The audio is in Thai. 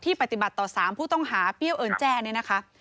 ปฏิบัติต่อ๓ผู้ต้องหาเปรี้ยวเอิญแจ้เนี่ยนะคะ